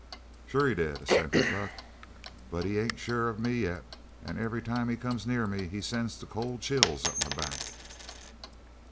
"Sure he did," assented Buck, "but he ain't sure of me yet, an' every time he comes near me he sends the cold chills up my back."